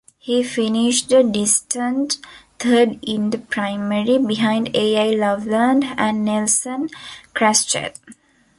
He finished a distant third in the primary, behind Al Loveland and Nelson Kraschel.